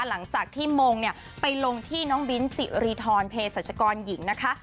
หลังจากที่มงเนี่ยไปลงที่น้องบิ้นสิริธรเพศรัชกรหญิงนะคะ